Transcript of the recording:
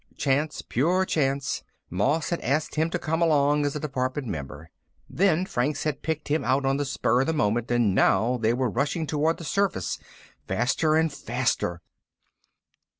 Chance, pure chance. Moss had asked him to come along as a Department member. Then Franks had picked him out on the spur of the moment. And now they were rushing toward the surface, faster and faster.